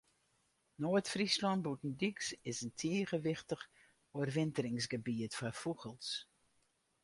Noard-Fryslân Bûtendyks is in tige wichtich oerwinteringsgebiet foar fûgels.